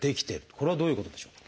これはどういうことでしょうか？